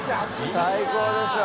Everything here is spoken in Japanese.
最高でしょ。